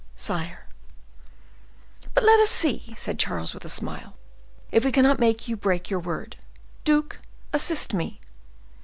"Sire—" "But, let us see," said Charles with a smile, "if we cannot make you break your word. Duke, assist me.